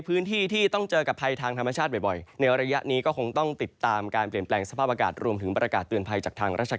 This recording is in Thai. พื้นที่ที่ต้องเจอกับภัยทางธรรมชาติบ่อยในระยะนี้ก็คงต้องติดตามการเปลี่ยนแปลงสภาพอากาศรวมถึงประกาศเตือนภัยจากทางราชการ